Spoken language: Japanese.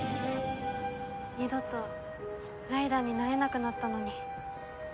二度とライダーになれなくなったのに。